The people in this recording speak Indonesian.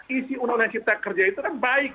isi undang undang cipta kerja itu kan baik